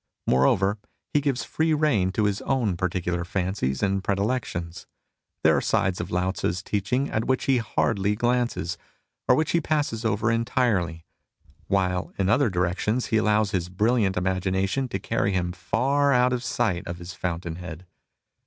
Moreover, he gives free rein to his own particular fancies and pre dilections. There are sides of Lao Tzu's teaching at which he hardly glances, or which he passes over entirely, while in other directions he allows his brilliant imagination to carry him far out of sight of his fountain head.